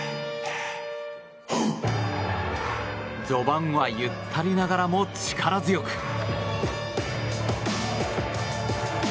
序盤はゆったりながらも力強く。